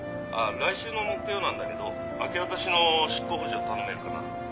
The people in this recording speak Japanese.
「来週の木曜なんだけど明け渡しの執行補助頼めるかな」